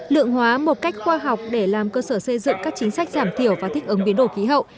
lượng hóa một cách khoa học để làm cơ sở xây dựng các chính sách giảm thiểu và thích ứng biến đổi khí hậu